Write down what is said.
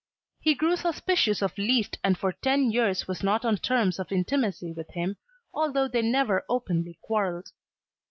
He grew suspicious of Liszt and for ten years was not on terms of intimacy with him although they never openly quarrelled.